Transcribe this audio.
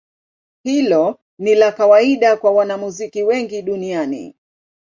Hilo ni la kawaida kwa wanamuziki wengi duniani.